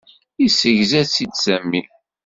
Yessegza-tt-id Sami.